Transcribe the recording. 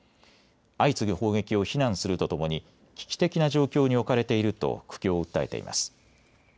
相次ぐ砲撃を非難するとともに危機的な状況に置かれていると苦境を訴えています。